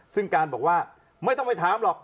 ซึ่งการบอกว่าไม่ต้องไปถามหรอก